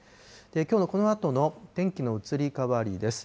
きょうのこのあとの天気の移り変わりです。